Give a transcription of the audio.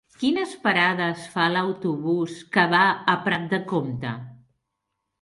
Quines parades fa l'autobús que va a Prat de Comte?